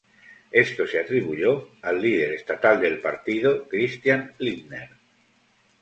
Esto se atribuyó al líder estatal del partido, Christian Lindner.